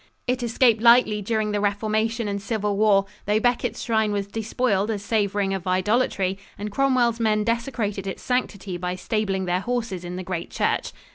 It escaped lightly during the Reformation and civil war, though Becket's shrine was despoiled as savoring of idolatry and Cromwell's men desecrated its sanctity by stabling their horses in the great church.